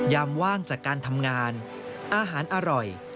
ว่างจากการทำงานอาหารอร่อย